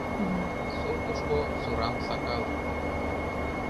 Суртышко сурам сакалын